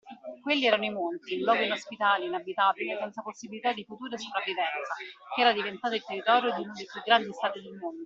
Quelli erano i Monti, un luogo inospitale, inabitabile, senza possibilità di futuro e sopravvivenza, che era diventato il territorio di uno dei più grandi stati del mondo.